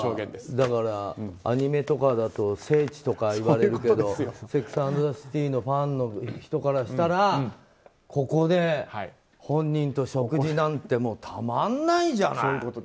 だから、アニメとかだと聖地とか言われるけど「セックス・アンド・ザ・シティ」のファンの人からしたらここで本人と食事なんてたまんないじゃない。